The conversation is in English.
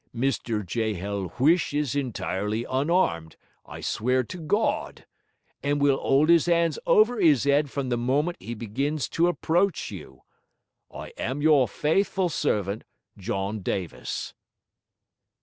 Mr J. L. Huish is entirely unarmed, I swear to Gawd! and will 'old 'is 'ands over 'is 'ead from the moment he begins to approach you. I am your fytheful servant, John Davis.